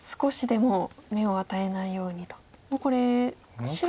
もうこれ白は。